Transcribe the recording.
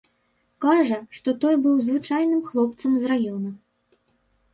Кажа, што той быў звычайным хлопцам з раёна.